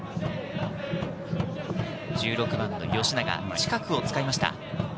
１６番の吉永、近くを使いました。